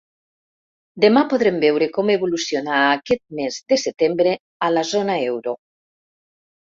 Demà podrem veure com evoluciona aquest mes de setembre a la zona euro.